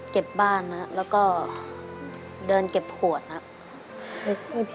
เก็บบ้านนะครับแล้วก็เดินเก็บขวดครับ